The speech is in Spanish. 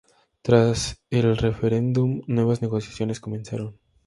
Tras el referendum, nuevas negociaciones comenzaron.